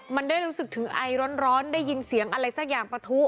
มันได้รู้สึกถึงไอร้อนได้ยินเสียงอะไรสักอย่างประทุ